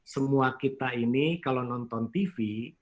semua kita ini kalau nonton tv